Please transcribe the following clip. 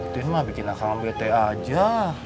tintin mah bikin akang bete aja